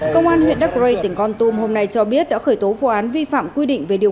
công an huyện đắk rây tỉnh con tum hôm nay cho biết đã khởi tố vụ án vi phạm quy định về điều